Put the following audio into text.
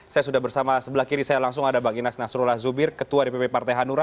saya sudah bersama sebelah kiri saya langsung ada bang inas nasrullah zubir ketua dpp partai hanura